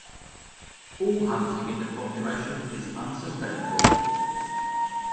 All hunting in the population is unsustainable.